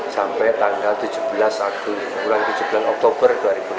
sampai tanggal tujuh belas bulan tujuh belas oktober dua ribu enam belas